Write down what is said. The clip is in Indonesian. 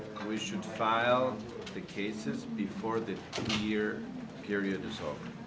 kita harus menulis keselamatan sebelum periode tahun ini selesai